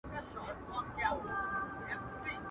په جونګړو به شور ګډ د پښتونخوا سي.